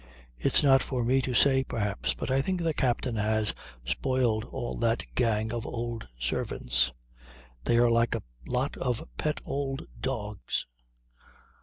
It's not for me to say, perhaps, but I think the captain has spoiled all that gang of old servants. They are like a lot of pet old dogs.